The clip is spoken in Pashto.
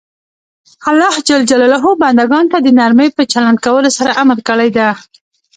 الله ج بنده ګانو ته د نرمۍ په چلند کولو سره امر کړی ده.